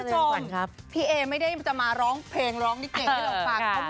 คุณผู้ชมพี่เอไม่ได้จะมาร้องเพลงร้องนิเก่งให้เราฟัง